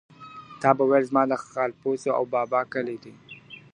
تا به ویل زما د خالپوڅو او بابا کلی دی .